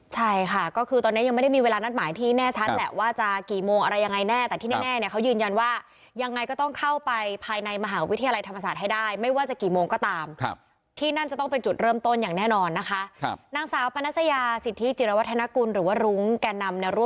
ใช่ค่ะก็คือตอนนี้ยังไม่ได้มีเวลานัดหมายที่แน่ชัดแหละว่าจะกี่โมงอะไรยังไงแน่แต่ที่แน่เนี่ยเขายืนยันว่ายังไงก็ต้องเข้าไปภายในมหาวิทยาลัยธรรมศาสตร์ให้ได้ไม่ว่าจะกี่โมงก็ตามที่นั่นจะต้องเป็นจุดเริ่มต้นอย่างแน่นอนนะคะครับนางสาวปนัสยาสิทธิจิรวัฒนกุลหรือว่ารุ้งแก่นำในร่